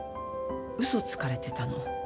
嘘つかれてたの。